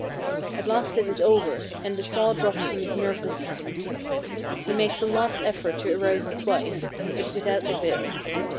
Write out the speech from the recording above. At last it is over, and the saw drops from his nerveless hand. He makes a last effort to arouse his wife, but without avail.